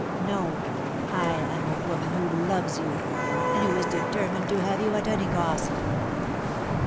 No; I am a woman who loves you, and who is determined to have you at any cost."